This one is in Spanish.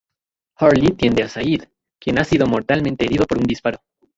Hurley tiende a Sayid, quien ha sido mortalmente herido por un disparo.